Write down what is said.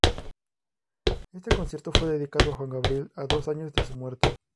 Este concierto fue dedicado a Juan Gabriel a dos años de su muerte.